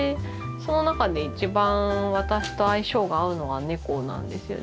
その中で一番私と相性が合うのが猫なんですよね。